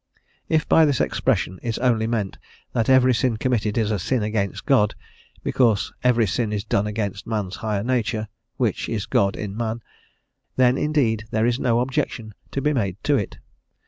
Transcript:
If by this expression is only meant that every sin committed is a sin against God, because every sin is done against man's higher nature, which is God in man, then indeed there is no objection to be made to it.